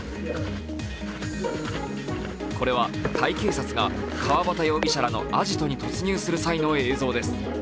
これはタイ警察が川端容疑者らのアジトに突入する際の映像です。